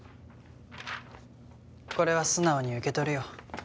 これは素直に受け取るよ。